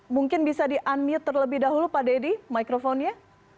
mungkin bisa di unmute terlebih dahulu pak deddy mikrofonnya